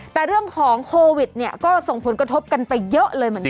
แต่เรื่องของโควิดเนี่ยก็ส่งผลกระทบกันไปเยอะเลยเหมือนกัน